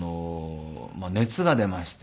熱が出まして。